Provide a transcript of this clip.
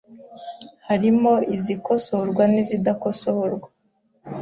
harimo izikosorwa n’izidakosorwa